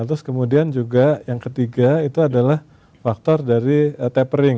terus kemudian juga yang ketiga itu adalah faktor dari tapering